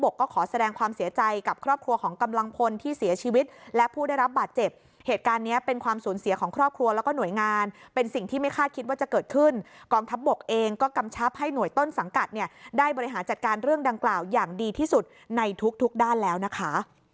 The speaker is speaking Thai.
กองทัพบกเองก็กำชับให้หน่วยต้นสังกัดเนี่ยได้บริหารจัดการเรื่องดังกล่าวอย่างดีที่สุดในทุกทุกด้านแล้วนะคะ